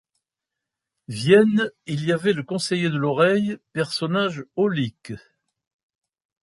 Vienne, il y avait le conseiller de l’oreille, personnage aulique.